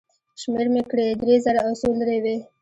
شمېر مې کړې، درې زره او څو لېرې وې.